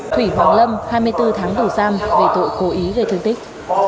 thủy hoàng lâm hai mươi bốn tháng tù giam về tội cố ý gây thương tích